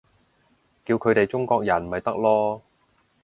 叫佢哋中國人咪得囉